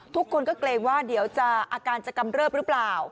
ทุกคนก็เกรงว่าเดี๋ยวจะอาการจะกำเริบหรือเปล่า